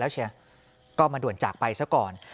แล้วเชียร์ก็มาด่วนจากไปซะก่อน